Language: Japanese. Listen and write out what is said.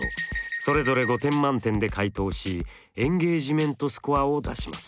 それぞれ５点満点で回答しエンゲージメントスコアを出します。